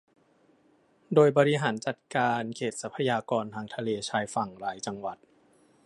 โดยบริหารจัดการเขตทรัพยากรทางทะเลชายฝั่งรายจังหวัด